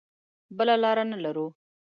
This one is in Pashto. بله لاره نه لرو.